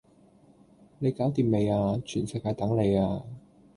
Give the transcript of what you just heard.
你搞惦未呀？全世界等你呀